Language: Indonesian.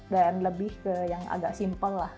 dan lebih ke yang agak simpel lah